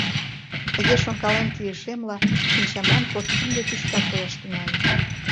Тыге шонкален кийышемла, шинчамлан подкинде тӱшка кояш тӱҥале.